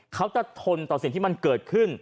เขาจะทนต่อสิ่งที่มันเกิดขึ้น